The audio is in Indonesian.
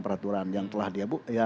peraturan yang telah di